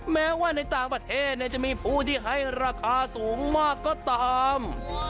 แม้ว่าในต่างประเทศจะมีผู้ที่ให้ราคาสูงมากก็ตาม